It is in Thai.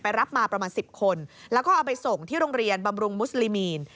รับมาประมาณ๑๐คนแล้วก็เอาไปส่งที่โรงเรียนบำรุงมุสลิมีน